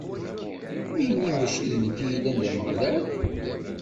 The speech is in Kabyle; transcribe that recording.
Eni mačči d nekk i yellan d Ameɣlal?